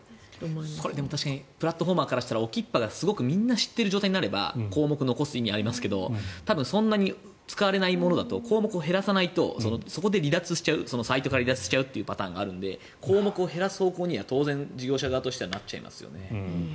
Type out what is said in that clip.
プラットフォーマーからしたらＯＫＩＰＰＡがみんなが知っている状態になれば項目を残す意味がありますけどそんなに使われないものだと項目を減らさないとそこでサイトから離脱しちゃうパターンがあるので項目を減らすように当然事業者側としてはなっちゃいますよね。